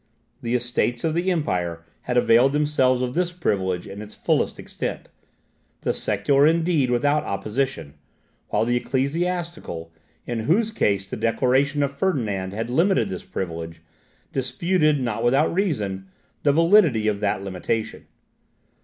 The Estates of the Empire had availed themselves of this privilege in its fullest extent; the secular indeed without opposition; while the ecclesiastical, in whose case the declaration of Ferdinand had limited this privilege, disputed, not without reason, the validity of that limitation.